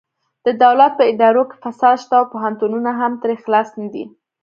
د دولت په ادارو کې فساد شته او پوهنتونونه هم ترې خلاص نه دي